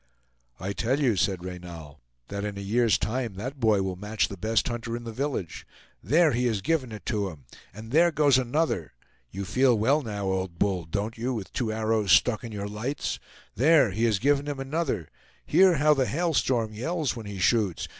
"I tell you," said Reynal, "that in a year's time that boy will match the best hunter in the village. There he has given it to him! and there goes another! You feel well, now, old bull, don't you, with two arrows stuck in your lights? There, he has given him another! Hear how the Hail Storm yells when he shoots!